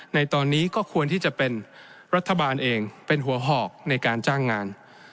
ในตอนนี้ก็ควรที่จะเป็นรัฐบาลเองเป็นหัวหอกในการจ้างงาน